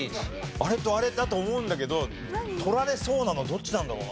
あれとあれだと思うんだけど取られそうなのはどっちなんだろうな？